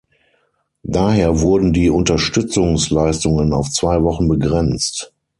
Daher wurden die Unterstützungsleistungen auf zwei Wochen begrenzt.